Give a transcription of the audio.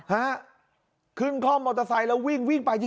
ฮะขึ้นคล่อมมอเตอร์ไซค์แล้ววิ่งวิ่งไป